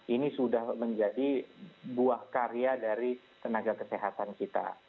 ini sudah menjadi buah karya dari tenaga kesehatan kita